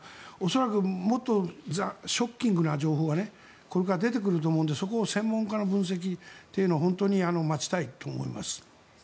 恐らくもっとショッキングな情報がこれから出てくると思うのでそこの専門家の分析というのを待ちたいと思います。